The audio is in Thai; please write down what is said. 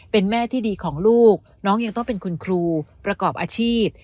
เป็นแม่ที่ดีของลูกน้องยังต้องเป็นคุณครูประกอบอาชีพ